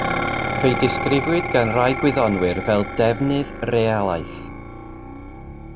Fe'i disgrifiwyd gan rai gwyddonwyr fel defnydd realaeth.